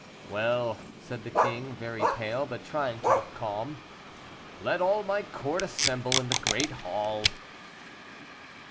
"Well," said the king, very pale, but trying to look calm, "let all my court assemble in the great hall."